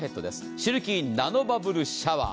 シルキーナノバブルシャワー。